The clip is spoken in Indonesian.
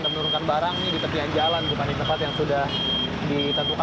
dan menurunkan barang di tepi jalan bukan di tempat yang sudah ditentukan